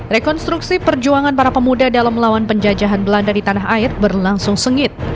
rekonstruksi perjuangan para pemuda dalam melawan penjajahan belanda di tanah air berlangsung sengit